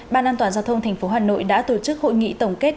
ban an toàn giao thông tp hà nội đã tổ chức hội nghị tổng kết